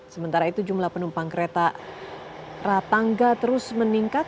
sementara itu jumlah penumpang kereta ratangga terus meningkat